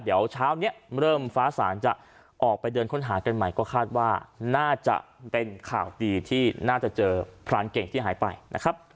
เดี๋ยวเช้านี้เริ่มฟ้าสางจะออกไปเดินค้นหากันใหม่ก็คาดว่าน่าจะเป็นข่าวดีที่น่าจะเจอพรานเก่งที่หายไปนะครับ